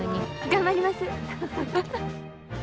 頑張ります。